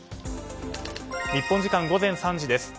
日本時間午前３時です。